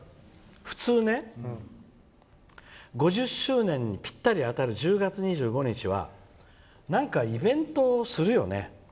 普通ね、５０周年ぴったり当たる１０月２５日はなんかイベントをするよね。